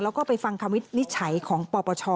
แล้วก็ไปฟังคำวินิจฉัยของปปช